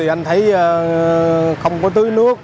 anh thấy không có tưới nước